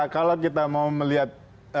kalau kita mau melihat